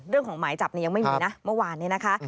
เรื่องของหมายจับเนี่ยยังไม่มีนะเมื่อวานนี้นะคะ